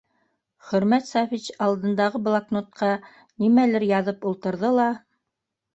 Хөрмәт Сафич алдындағы блокнотҡа нимәлер яҙып ултырҙы ла: